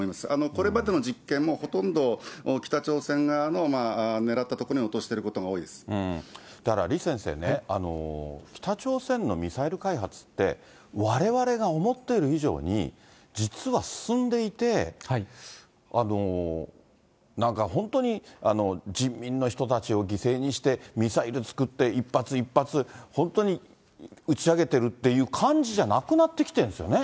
これまでの実験もほとんど北朝鮮側の狙った所に落としてる所が多だから李先生ね、北朝鮮のミサイル開発って、われわれが思っている以上に実は進んでいて、なんか、本当に人民の人たちを犠牲にしてミサイル作って、一発一発、本当に打ち上げてるっていう感じじゃなくなってきてるんですよね。